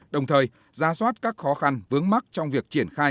đồng thời ra soát các khó khăn vướng mắt trong việc triển khai